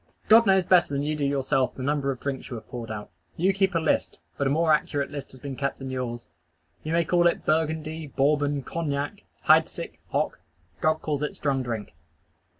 _" God knows better than you do yourself the number of drinks you have poured out. You keep a list; but a more accurate list has been kept than yours. You may call it Burgundy, Bourbon, Cognac, Heidsick, Hock; God calls it strong drink.